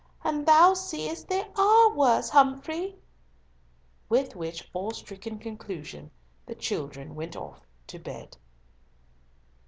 And, thou seest, they are worse, Humfrey!" With which awe stricken conclusion the children went off to bed.